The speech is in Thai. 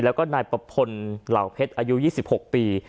แล้วก็นายประพลเหล่าเพชรอายุ๒๖ปี